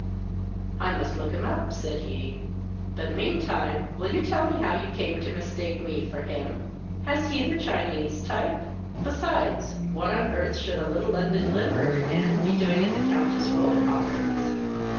"I must look 'em up," said he. "But meantime, will you tell me how you came to mistake me for him? Has he the Chinese type? Besides, what on earth should a little London literary man be doing at the Countess Wohenhoffen's?"